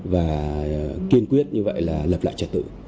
và kiên quyết như vậy là lập lại trật tự